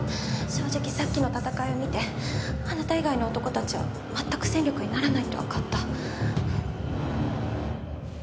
正直さっきの戦いを見てあなた以外の男たちはまったく戦力にならないって分かった。